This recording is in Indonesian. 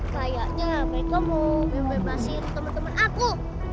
kayaknya mereka mau membebasin teman teman aku